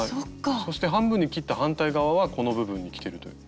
そして半分に切った反対側はこの部分にきてるという。